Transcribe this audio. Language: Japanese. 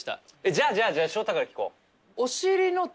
じゃあじゃあじゃあ翔太から聞こう。